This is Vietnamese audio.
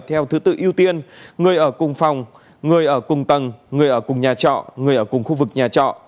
theo thứ tự ưu tiên người ở cùng phòng người ở cùng tầng người ở cùng nhà trọ người ở cùng khu vực nhà trọ